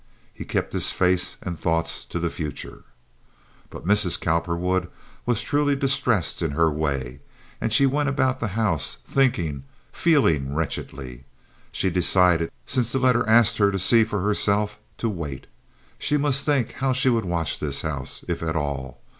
He kept his face and thoughts to the future. But Mrs. Cowperwood was truly distressed in her way, and she went about the house thinking, feeling wretchedly. She decided, since the letter asked her to see for herself, to wait. She must think how she would watch this house, if at all.